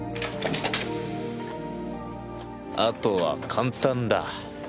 あとは簡単だ。